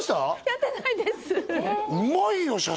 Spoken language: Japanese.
やってないです